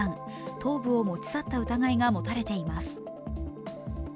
頭部を持ち去った疑いが持たれています。